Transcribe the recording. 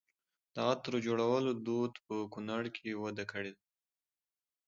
د عطرو جوړولو دود په کونړ کې وده کړې ده.